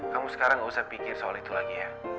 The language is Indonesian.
kamu sekarang gak usah pikir soal itu lagi ya